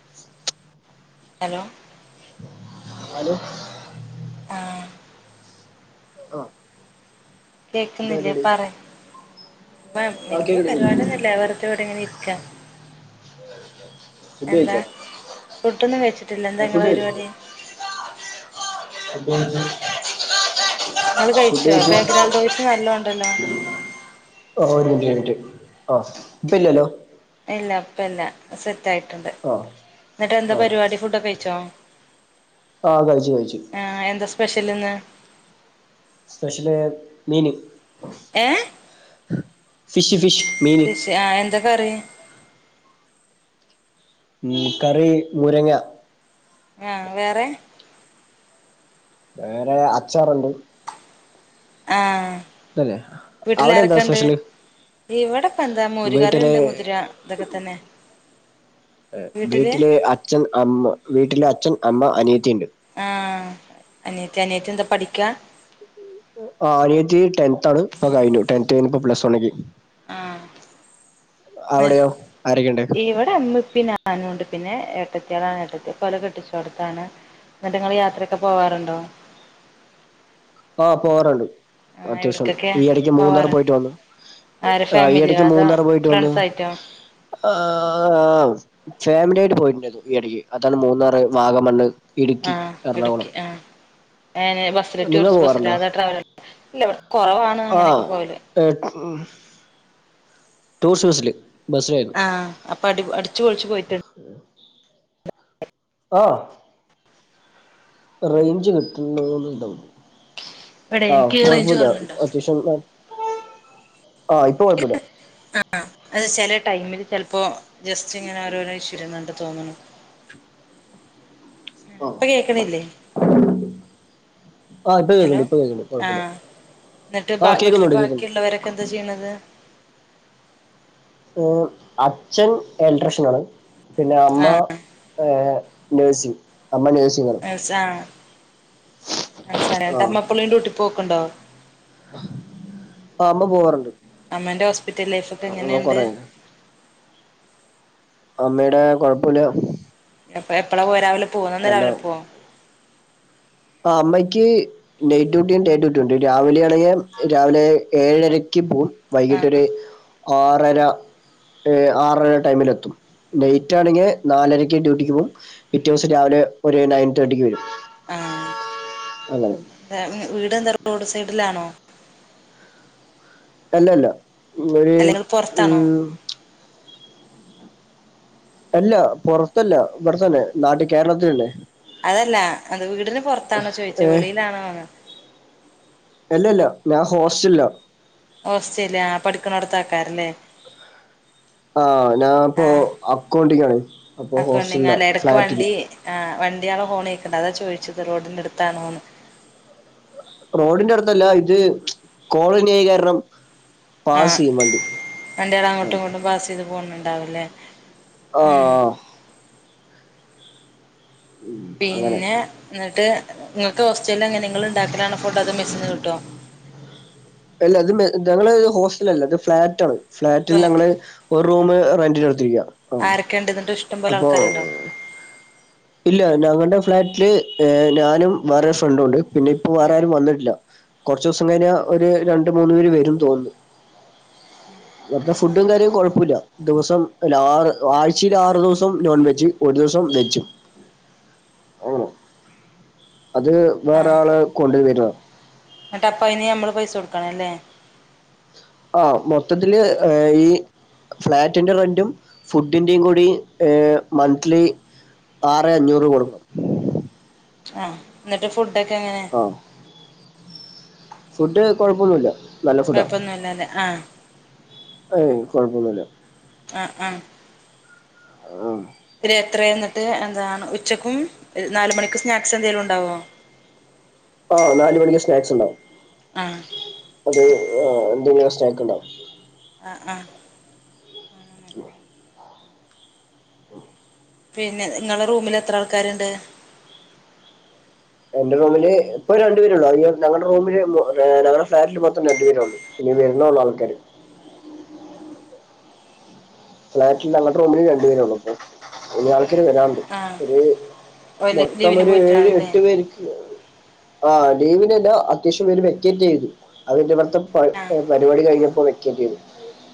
[inaudible] Hello hello ആഹ് ഓ കേക്കുന്നില്ലേ പറെ പ്പം ആ വല്ല്യ കേക്കടി പരിപാടി ഒന്നുല്ല വെറുതെ ഇവിടെങ്ങനെ ഇരിക്കാ [inaudible] എന്താ ഫുഡൊന്നും കഴിച്ചിട്ടില്ല എന്താ ഇങ്ങള ഫുഡ് കഴിച്ചു പരിപാടി [inaudible] ങ്ങള് ഫുഡ് കഴിച്ചോ കഴിച്ചു ബാഗ്രൗണ്ട് വോസ് നല്ലോണ്ടല്ലോ ഒ ഒരുമിനുറ്റ് മിനിറ്റ് ആ ഇപ്പ ഇല്ലല്ലോ ഇല്ല ഇപ്പല്ല സെറ്റ് ആയിട്ടുണ്ട് ആ ന്നിട്ട് എന്താ ആ പരിപാടി ഫുഡൊക്കെ കഴിച്ചോ ആ കഴിച്ചു കഴിച്ചു സ്പെഷ്യൽന്ന് സ്പെഷ്യല് മീന് ഏ ഫിഷ് ഫിഷ് മീന് ഫിഷ്ആ ഹ്എന്താ കറി ഉ കറി ഊരങ്ങ ആഹ് വേറെ വേറെ അച്ചാറുണ്ട് ആഹ് അല്ലെ അവിടെ എന്താ വീട്ടിലാരൊക്കെണ്ട് സ്പെഷ്യല് ഇവിടെപ്പ എന്താ വീട്ടില് മോരുകറിയുണ്ട് മുതിര ഇതൊക്കെ തന്നെ ർ വീട്ടില് വീട്ടിലെ അച്ഛൻ അമ്മ വീട്ടിലെ അച്ഛൻ അമ്മ അനിയത്തിയുണ്ട് ആ അനിയത്തി അനിയത്തി എന്താ പഠിക്കാ ആ അനിയത്തി ടെൺ ത്താണ് ഇപ്പ കഴിഞ്ഞു ടെൺത്ത് കഴിഞ്ഞ് ഇപ്പോപ്ലസ് വൺ ക്ക് ആഹ് അവിടെയോ ആരൊക്കെയുണ്ട് ഇവിടെ ഉമ്മി ഉപ്പി ഞാനും നുണ്ട് പിന്നെ ഏട്ടത്തിയാളാണ് ഇട്ടത്തി ഓലെ കെട്ടിച്ചോടത്താണ് എന്നിട്ട് നിങ്ങൾ യാത്രയൊക്കെ പോവാറുണ്ടോ ആഹ് പോവാറുണ്ട് ആഹ് അത്യാവശ്യം എവിടക്കൊക്കെ ഈ ഇടക്ക് മൂന്നാർ പോവാറ് പോയിട്ട് വന്നു ആരെ ആഹ് ഈ ഫാമിലിയോ എടക്ക് അതോ മൂന്നാർ പോയിട്ട് വന്നു ഫ്രണ്ട്സ് ആയിട്ടോ അഹ് ആഹ് ആവു ഫാമിലി ആയിട്ട് പോയിട്ടുണ്ടായിരുന്നു ഈ എടക്ക് അപ്പൊ അന്ന് മൂന്നാറ് വാഗമണ്ണ് ഇടുക്കി ആഹ് എറണാകുളം ഇടുക്കി ആഹ് ഏനെ ബസ്സിലോ നിങ്ങൾ ടൂറിസ്റ്റ് ബസ്സിലോ പോവാറുണ്ടോ അതെ ട്രാവലർ ഇല്ല വ് ട് കൊറവാണ് അങ്ങനെയൊക്കെ പോവല് ടൂർസ്റ്റ് ബസ്സില് ബസ്സിലാ പോ ആഹ് അപ്പൊ അടി അടിച്ചുപൊളിച്ചു പോയിട്ട് [unintelligible] ആഹ് റേഞ്ച് കിട്ടുന്നോന്ന് ഓര് ഡൗട്ട് ഇവിടെ അഹ് എനിക്ക് റേഞ്ച് കൊഴപ്പുല കുറവുണ്ടോ അത്യാവശം ട്ടും ന്ന [unintelligible] ആഹ് ഇപ്പൊ കൊയപ്പല്ല ആഹ് ആഹ് അത് ചെലേ ടൈമില് ചെൽപ്പോ ജസ്റ്റ് ഇങ്ങനെ ഓരോരോ ഇഷ്യൂരുന്നുണ്ട് തോന്നണു ഏഹ് ആ ഇപ്പകേക്ക്ണില്ലേ [unintelligible] ആഹ് ഇപ്പ ഹലോ കേക്ക്ണ്ട് ഇപ്പകേക്കണ്ട് കൊഴപ്പില്ല ആഹ് എന്നിട്ട് ബ ആഹ് വീട്ടില് കേക്കുന്നുണ്ട് കേക്കുന്നുണ്ട് ബാക്കിയുള്ളവരൊക്കെ എന്താ ചെയ്യ്ണത് ഏഹ് അച്ഛൻ ഇലട്രിഷൻ ആണ് പിന്നെ അമ്മ ആഹ് ഏഹ് നേഴ്സി അമ്മ നേഴ്സ് നേഴ്സാണ് നേഴ്സാണ് ന്നട്ട് ആഹ് അമ്മ പ്പളും ഡ്യുട്ടി പോക്ക്ണ്ടോ ആഹ് അമ്മ പോവാറുണ്ട് അമ്മന്റെ ഹോസ്പിറ്റൽ ലൈഫൊക്കെ അമ്മ എങ്ങനെയ്ണ്ട് കൊറേ അമ്മേടെ കൊഴ്‌പ്പുല്ല എപ്പ എപ്പളാ പോവാ രാവിലെ പോവോ നന്നെ രാവിലെ നല്ലതാണ് പോവാ ആഹ് അമ്മയ്ക്ക് ഡേ ടു ഡിയിം ഡേ ട്ട്ട്ടുണ്ട് രാവിലെ ആണെങ്ങേ രാവിലെ ഏഴരയ്ക്ക് പോവും ആഹ് വൈകിട്ടൊര് ആറര എഹ് ആറര ടൈമിലെത്തും നൈറ്റാണെങ്കെ നാലരയ്ക്ക് ഡ്യൂട്ടിക്ക് പോവും പിറ്റേ ദിവസം രാവിലെ ഒരു ണയൻ തേർട്ടിക്ക് വരും ആഹ് അങ്ങനെ എന്താ വീട് എന്താ റോഡ് സൈഡിലാണോ അല്ലഅല്ല [unintelligible] ര് അല്ലെങ്കിൽ പൊറത്താണോ ഉം അല്ല പൊറത്തല്ല ഇവട്ത്തന്നെ നാട്ടി കേരളത്തി തന്നെ അതല്ല എന്ത് വീടിന് പൊറത്താണോ ചോയ്ച്ച ഏ വെളിയിലാണോന്ന് അല്ലല്ല ഞാ ഹോസ്റ്റൽലാ ഹോസ്റ്റല് ആഹ് പഠിക്ക്ണോട്ത്താക്കാരംല്ലേ ആഹ് ഞാപ്പോ ആഹ് അക്കൗണ്ടിങ്ങാണ് അപ്പോ അക്കൗണ്ടിങ് ഹോസ്റ്റൽലാ അല്ല എടക്ക് ഫ്ളാറ്റില് വണ്ടി ആഹ് വണ്ടിയാളെ ഹോണേക്ക്ണ്ട് അതാ ചോയിച്ചത് റോഡിന്റെട്ത്താണോന്ന് റോഡിന്റടുത്തല്ല ഇത് [unintelligible] കോളനിയായ് കാരണം പാസ് ആഹ് ചെയ്യും വണ്ടി വണ്ടിയാള് അങ്ങോട്ടുങ്ങോട്ടും പാസെയ്ത് പോണ് ണ്ടാവുംല്ലെ ആഹ് ആഹ് അങ്ങനെ പിന്നെ ന്ന്ട്ട് ങ്ങക്ക് ഹോസ്റ്റലിലെങ്ങനെ ങ്ങള് ഇണ്ടാക്കലാണോ ഫുഡ് അതോ മെസ്സിന്ന് കിട്ടുവോ അല്ല അത് മെ ത ങ്ങള് ഇഹ് ഹോസ്റ്റലല്ല ഇത് ഫ്‌ളാറ്റാണ് ഫ്ലാറ്റിൽ ഫ്ലാറ്റ് നമ്മള് ഒരു റൂമ് റെൻ്റിടുത്തിരിക്ക ആഹ് ആരൊക്കെ ഉണ്ട് എന്നിട്ട് ഇഷ്ടം പോലെ അപ്പോ ആൾക്കാരുണ്ടോ ഇല്ല ഞങ്ങടെ ഫ്ളാറ്റില് ഏ ഞാനും വേറോരു ഫ്രണ്ടുണ്ട് പിന്നെയിപ്പോ ആ വേറാരും വന്നിട്ടില്ല കൊറച്ചുസം കഴിഞ്ഞാ ഒരു രണ്ട് മൂന്ന് പേര് വരും തോന്ന്ന്നു ഇവട്ത്തെ ഫുഡും കാര്യവും കൊഴപ്പൊല്ല ദിവസം ലാ ആ ആഴ്ചയില് ആറ് ദിവസം നോൺ വെജ്ജ് ഒരു ദിവസം വെജ്ജും അത് വേറാള് കൊണ്ട് വരുവാ ന്നട്ടപ്പയ്ന് യമ്മള് പൈസൊട്ക്കണം ല്ലേ ആഹ് മൊത്തത്തില് ഏഹ് ഈ ഫ്ലാറ്റിന്റെ റെന്റും ഫുഡിന്റെയും കൂടി ഏ മന്ത്ലി ആറെ അഞ്ഞൂറ് കൊട്ക്കണം ആഹ് ഇന്ന്ട്ട് ഫുഡെക്കെങ്ങനെ ആഹ് ഫുഡ് കൊഴപ്പൊന്നുല്ല കൊഴപ്പൊന്നും ഇല്ലാല്ലേ ആഹ് ഏയ് കൊഴപ്പൊന്നുല്ല ആഹ് ആഹ് ആ [unintelligible] എത്രെ ഇന്ന്ട്ട് എന്താണ് ഉച്ചക്കും ഏഹ് നാലുമണിക്ക് സ്നാക്സെന്തേലുണ്ടാവോ ആഹ് നാല് മണിക്ക് സ്നാക്സ് ഇണ്ടാവും ആഹ് അത് ആഹ് എന്തെങ്കിലും സ്നാക്ക്ണ്ടാവും ആഹ് ആഹ് ഉം പിന്നെ ഇങ്ങളെ റൂമിലെത്ര ആൾക്കാര്ണ്ട് എന്റെ റൂമില് ഇപ്പ രണ്ട് പേരോള്ളു [unintelligible] ഞങ്ങള്ടെ റൂമില് മൊ ഏഹ് ഞങ്ങടെ ഫ്ലാറ്റില് മൊത്തം രണ്ട് പേരോള്ളു ഇനി വര്ണോള്ളു ആൾക്കാര് ഫ്ളാറ്റിൽ ഞങ്ങള്ടെ റൂമില് രണ്ട് പേരോള്ളു ആഹ് ഇനി ആൾക്കാര് വരാൻ ആ ഒര് ഓല് മൊത്തം ലീവിന് ഒര് ഏഴ്, പോയിട്ടാവല്ലേ എട്ട് പേര്ക്ക് ആഹ് ലീവ്നെല്ലാ അത്യാവശ്യംപ്പേര് വേക്കേറ്റെയ്തു അത് പിന്നെ ഇവട്ത്തെ പരി ആ ഏഹ് പരിവാടി കഴിഞ്ഞപ്പോ വേക്കേറ്റെയ്തു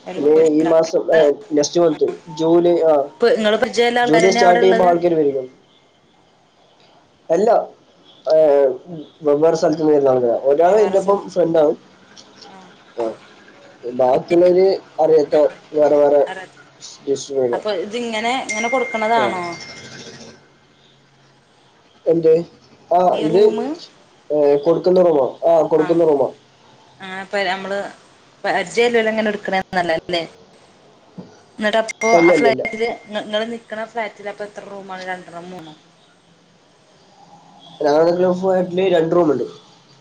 അയില് ഇനി ഈ പോയിട്ടുണ്ടാ മാസം ഏഹ് നെക്സ്റ്റ് മന്ത് ജൂലൈ ആഹ് ഇപ്പൊ ഇങ്ങള് പരിചയള്ള ജൂലൈ ആൾക്കാരന്നെ അവിടെ സ്റ്റാർട്ടെയ്യുമ്പം ഉള്ളത് ആൾക്കാര് [unintelligible] എല്ലാ ആഹ് ഏഹ് ഉം വെവ്വേറെ സല്ത്ത്ന്ന് വെര്ന്ന ആള്ക്കാരാ ഒരാള് ഇൻ്റെപ്പം വേറെസം ഫ്രണ്ടാണ് ആഹ് ഏഹ് ബാക്കിള്ളോര് അറിയാത്ത വേറെ വേറെ അറിയാത്ത അപ്പൊ [unintelligible] ഇതിങ്ങനെ ഇങ്ങനെ ആഹ് കൊട്ക്ക്ണതാണോ എന്തെ ആഹ് ഈ ഇത് റൂമ് ഏഹ് കൊട്ക്ക്ന്ന റൂമോ ആ ആഹ് കൊടുക്കുന്ന റൂമാ ആഹ് ഇപ്പ നമ്മള് പരിചയള്ളോലങ്ങനെ ഇട്ക്ക്ണെ [unintelligible] ഇന്ന്ട്ടപ്പൊ അല്ല ആ ഇല്ല ഇല്ല ഫ്ളാറ്റില് ഇങ്ങ ഇങ്ങള് നിക്കണ ഫ്ളാറ്റിലപ്പെത്ര റൂമാ രണ്ട്രോ മൂന്നോ ഞാൻ നിക്കണ ഫ്ലാറ്റില് രണ്ട് റൂമ്ണ്ട്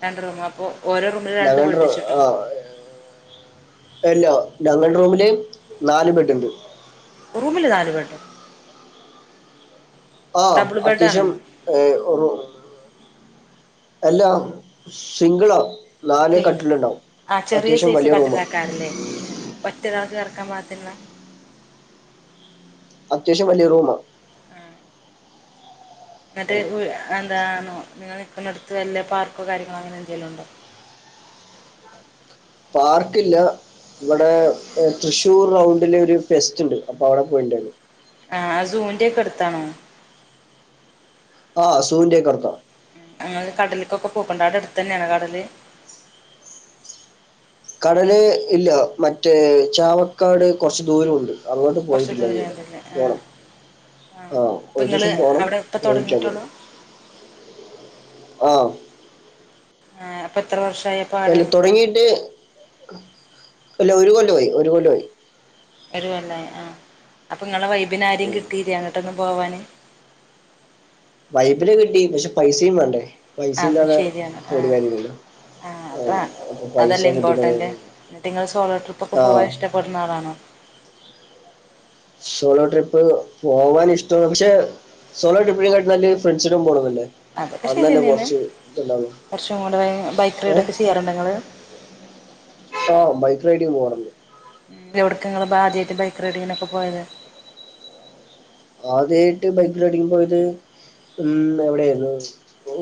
രണ്ട് റൂമോ അപ്പൊ ഓരോ റൂമില് രണ്ട് റൂ ബെഡെച്ച്ട്ടോ ആഹ് അല്ല ഞങ്ങള്ടെ റൂമില് നാല് ബെഡ്ണ്ട് റൂമില് നാല് ബെഡൊ ആഹ് ഡബിൾ ബെഡാണോ അത്യാവശ്യം ഏഹ് [unintelligible] എല്ലാ സിംഗിളാ നാല് സിംഗിൾ കട്ടില്ണ്ടാവും ആഹ് അത്യാവശ്യം വലിയ റൂമാ ഒറ്റൊരാൾക്ക് കടക്കാൻ പാകത്തിന്ള്ളെ അത്യാവശ്യം വലിയ റൂമാ ആഹ് ഇന്ന്ട്ട് ഓയ് എന്താണോ നിങ്ങള് നിക്ക്ന്നട്ത്ത് വല്ല പാർക്കോ കാര്യങ്ങളോ അങ്ങനെ എന്തേലുണ്ടോ പാർക്ക് ഇല്ല ഇവടെ ഏഹ് തൃശ്ശൂർ റൗണ്ടില് ഒര് ഫെസ്റ്റ്ണ്ട് അപ്പൊ ആടെ പോയിണ്ടാരുന്നു ആഹ് സൂന്റെക്കെ എട്ത്താണോ ആഹ് സൂവിന്റെക്കെ എട്ത്താ ആഹ് ഇങ്ങള് കടല്ക്കൊക്കെ പോക്ക്ണ്ടോ ആടെ എട്ത്തന്നെയാണോ കടല് കടല് ഇല്ലാ മറ്റേ ചാവക്കാട് കൊറച്ച് ദൂരവുണ്ട് അങ്ങോട്ട് കുറച്ച് പോയിട്ടില്ല ദൂരം ഉണ്ടല്ലേ [unintelligible] ആ പോണം ആ ആഹ് അപ്പൊ ഒരു നിങ്ങള് ദിവസം പോണം അവിടെ ഇപ്പൊ പോയിട്ടില്ല തുടങ്ങിയിട്ടുള്ളൂ [unintelligible] ആഹ് ഏഹ് അപ്പ എത്ര വർഷായെ എല്ലാ തൊടങ്ങിയിട്ട് എല്ലാ ഒരു കൊല്ലവായി ഒരു കൊല്ലവായി ഒരു കൊല്ലമായി ആ അപ്പൊ നിങ്ങളെ വൈബിന് ആരെയും ഉം. കിട്ടീലെ അങ്ങോട്ടൊന്നും പോവാന് വൈബിന് കിട്ടി പക്ഷെ പൈസയും വേണ്ടേ പൈസ അതും ഇല്ലാതെ ശരിയാണ് ആ പോയിട്ട് കാര്യമില്ലല്ലോ ആ അത് വേണം അതല്ലേ ഇംപോർട്ടന്റ് എന്നിട്ട് നിങ്ങള് സോളോ ട്രിപ്പ് ഒക്കെ പോവാൻ ആ ഇഷ്ട പ്പെടുന്ന ആളാണോ സോളോ ട്രിപ്പ് പോവാൻ ഇഷ്ടവാ പക്ഷേ സോളോ ട്രിപ്പിനെ കാട്ടിലും നല്ലത് ഫ്രണ്ട്സിന്റെ ഒപ്പം പോണതല്ലേ അതൊക്കെ ശരി തന്നെയാണ് ഫ്രണ്ട്‌സിന്റെ കൂടെ ബൈക്ക് റൈഡ് ഒക്കെ ചെയ്യാറുണ്ടോ നിങ്ങള് ആഹ് ബൈക്ക് റൈഡിങ് പോകാറുണ്ട് ഉം എവിടേക്കാ നിങ്ങള് ആദ്യമായിട്ട് ബൈക്ക് റൈഡിങ്ങിനൊക്കെ പോയത് ആദ്യമായിട്ട് ബൈക്ക് റൈഡിങ്ങിന് പോയത് ഉം എവിടൊയായിരുന്നു ഓ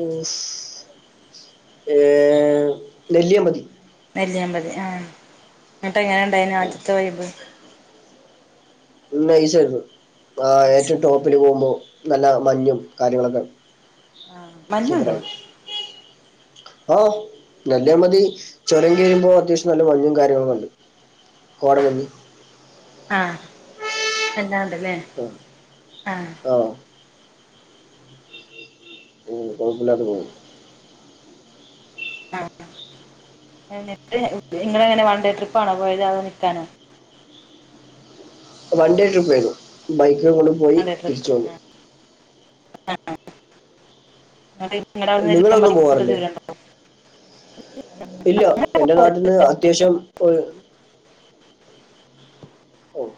ഏ നെല്ലിയാമ്പതി നെല്ലിയാമ്പതി ആ എന്നിട്ട് എങ്ങനെ ഉണ്ടായിരുന്നു ആദ്യത്തെ വൈബ് നൈസാരുന്നു ആ ഏറ്റവും ടോപ്പില് പോകുമ്പോ നല്ല മഞ്ഞും കാര്യങ്ങളൊക്കെ മഞ്ഞുണ്ടോ സൂപ്പറാരുന്നു ആ നെല്ലിയാമ്പതി ചുരം കയറുമ്പോ അത്യാവശ്യം നല്ല മഞ്ഞും കാര്യങ്ങളൊക്ക ഉണ്ട് കോടമഞ്ഞ് ആഹ് എല്ലാം ഉണ്ടല്ലേ ആഹ് ആഹ് ഉം കുഴപ്പം ഇല്ലാത്ത [unintelligible] ആഹ് എന്നിട്ട് നിങ്ങള് എങ്ങനെ വൺഡേ ട്രിപ്പാണോ പോയത് അതോ നിൽക്കാനോ വൺ ഡേ ട്രിപ്പ് ആരുന്നു ബൈക്കില് അങ്ങോട്ട് വൺഡേ ട്രിപ്പ്‌ ആ ആ [unintelligible] നിങ്ങടെ അവിടുന്ന് നിങ്ങളൊന്നും നെല്ലിയാമ്പതിക്ക് കുറേ പോകാറില്ലേ ദൂരം ഉണ്ടോ ഇല്ല എന്റെ നാട്ടീന്ന് അത്യാവശ്യം ഒരു ഓ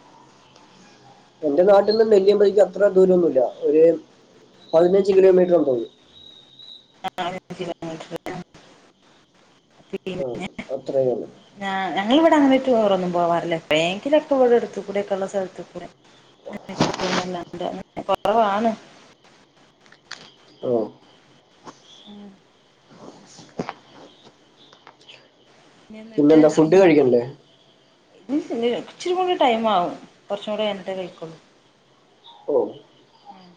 എന്റെ നാട്ടീന്ന് നെല്ലിയാമ്പതിക്ക് അത്ര ദൂരം ഒന്നുമില്ല ഒരു പതിനഞ്ച് കിലോമീറ്റർ ഉണ്ടാവുള്ളൂ ആഹ് പതിനഞ്ച് കിലോ ആഹ് അത്രേ തന്നേയുള്ളൂ ഞാ ഞങ്ങളിവിടെ അങ്ങനെ ടൂർ ഒന്നും പോവാറില്ല എപ്പഴേങ്കിലുമൊക്കെ ഇവിടെ അടുത്ത് കൂടെ ഒക്കെയുള്ള സ്ഥലത്തു കൂടെ [unintelligible] കുറവാണ്. ഓ ഉം ഇനി പിന്നെ എന്നിട്ട് എന്താ ഫുഡ് കഴിക്കണ്ടേ [unintelligible] ഇച്ചിരി കൂടി ടൈംമാവും കുറച്ചും കൂടെ കഴിഞ്ഞിട്ടേ കഴിക്കൂള്ളൂ ഓ ഉം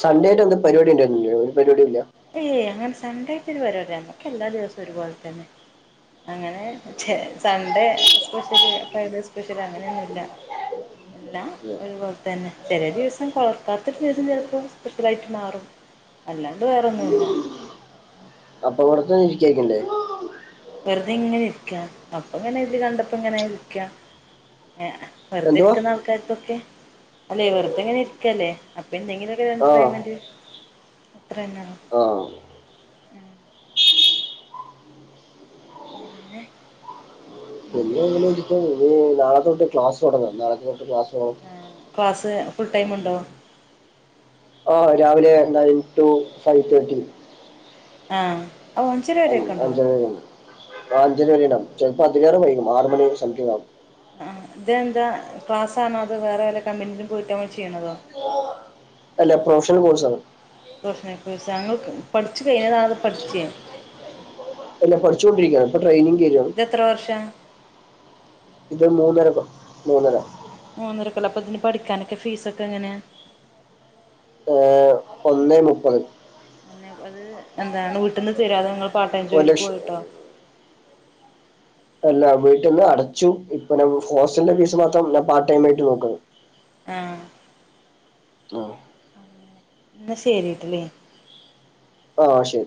സൺഡേ ആയിട്ട് എന്തോ പരിപാടി ഉണ്ടായിരുന്നില്ലേ ഒരു പരിപാടിയില്ല ഏയ് അങ്ങനെ സൺഡേ ആയിട്ട് ഒരു പരുപാടിയില്ല നമ്മുക്ക് എല്ലാ ദിവസവും ഒരു പോലെ തന്നെ അങ്ങനെ സൺഡേ സ്പെഷ്യല് ഫ്രൈഡേ സ്പെഷ്യല് അങ്ങനെയൊന്നുമില്ല എന്നാ ഒരുപോലെ തന്നെ ചെറിയ ദിവസം ഓർക്കാത്ത ദിവസം ചിലപ്പം സ്പെഷ്യലായിട്ട് മാറും അല്ലാ തെ വേറൊന്നുമില്ല അപ്പൊ വെറുതേ [unintelligible] വെറുതെ ഇങ്ങനെ ഇരിക്കാ അപ്പ പിന്നെ ഇത് കണ്ടപ്പോ ഇങ്ങനെ വിളിക്കാം ഇങ്ങനെ വെറുതെ എന്തുവാ ഇരിക്കുന്ന ആൾക്കാർക്കൊക്കെ അല്ലെ വെറുതെ ഇങ്ങനെ ഇരിക്കയല്ലേ അപ്പൊ എന്തെങ്കിലുമൊക്കെ ഒരു ആ എന്റർടൈൻമെന്റ് അത്ര തന്നെ ആണ് ആ പിന്നെ പിന്നെ ഇങ്ങനെ ഇരിക്കുന്നു ഇപ്പോ ഈ നാളെത്തൊട്ട് ക്ലാസ് തുടങ്ങുക. നാളത്തൊട്ട് [unintelligible] ക്ലാസ്സ് ഫുൾ ടൈമുണ്ടോ? ആഹ് രാവിലെ നയൻ ടു ഫൈവ് തേർട്ടി. ആഹ് ഒഞ്ചരവരെക്കെണ്ടോ? [unintelligible] ആഹ് അഞ്ചരവരെ ഉണ്ടാകും. ചിലപ്പോ അതിനേരം വൈകും ആറ് മണി സദ്യേയാവും ആഹ് ഇതെന്താ ക്ലാസ് ആണോ? അത് വേറെ വല്ല കമ്പനിയിലും പോയിട്ട് ചെയ്യണതോ? അല്ല പ്രൊഫഷണൽ കോഴ്സ് ആണ്. പ്രൊഫഷണൽ കോഴ്സാ നിങ്ങൾക്ക് പഠിച്ച് കഴിച്ചതാ പഠിച്ചേ? അല്ല പഠിച്ചോണ്ടിരിക്കുവാ. ഇപ്പം ട്രയിനിങ്ങ് കേരിയ ഇത് എത്ര വർഷാ? ഇത് മൂന്നരകൊ-മൂന്നര. മൂന്നരക്കൊല്ലം. അപ്പ ഇതിന് പഠിക്കാനൊക്കെ ഫീസ് ഒക്കെ എങ്ങനാ? ഏഹ് ഒന്നേ മുപ്പത്. ഒന്നെ അത് എന്താ വീട്ടിന്ന് തരുവോ? നിങ്ങള് പാർട്ടൈം ഒരു ജോലിക്ക് ലക്ഷം പോയിട്ടോ? അല്ല വീട്ടിൽന്ന് അടച്ചു. ഇപ്പ ഹോസ്റ്റലിന്റെ ഫീസ് മാത്രം ഞാൻ പാർട്ട് ടൈം ആയിട്ട് നോക്കുന്നു. ആഹ് ആഹ് എന്നാ ശരിട്ടല്ലേ ആഹ് ശരി.